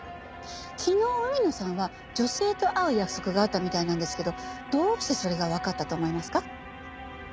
昨日海野さんは女性と会う約束があったみたいなんですけどどうしてそれがわかったと思いますか？